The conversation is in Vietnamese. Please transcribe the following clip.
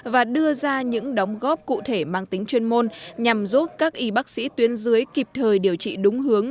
và đưa ra những đóng góp cụ thể mang tính chuyên môn nhằm giúp các y bác sĩ tuyến dưới kịp thời điều trị đúng hướng